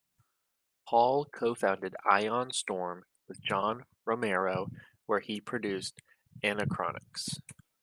Hall co-founded Ion Storm with John Romero, where he produced "Anachronox".